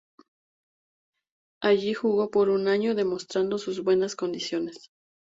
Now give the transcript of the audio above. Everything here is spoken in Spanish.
Allí jugó por un año, demostrando sus buenas condiciones.